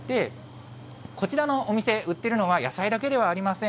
こちらのお店、売っているのは野菜だけではありません。